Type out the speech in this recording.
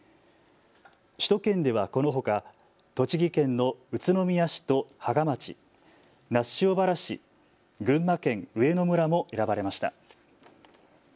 首都圏ではこのほか栃木県の宇都宮市と芳賀町、那須塩原市、群馬県上野村も選ばれました。